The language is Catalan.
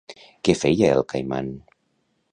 Què feia el Caiman?